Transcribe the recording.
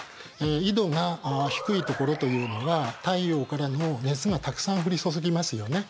緯度が低い所というのは太陽からの熱がたくさん降り注ぎますよね。